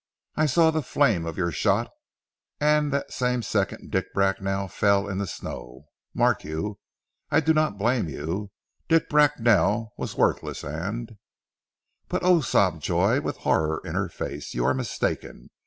I saw the flame of your shot, and that same second Dick Bracknell fell in the snow. Mark you, I do not blame you. Dick Bracknell was worthless and " "But oh!" sobbed Joy with horror in her face. "You are mistaken.